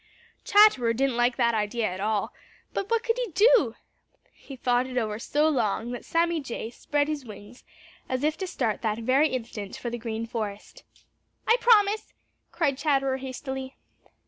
Chatterer didn't like that idea at all, but what could he do? He thought it over so long that Sammy Jay spread his wings as if to start that very instant for the Green Forest. "I promise!" cried Chatterer hastily.